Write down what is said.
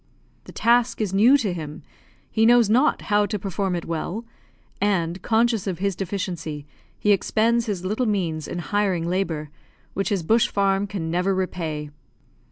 The task is new to him, he knows not how to perform it well; and, conscious of his deficiency, he expends his little means in hiring labour, which his bush farm can never repay.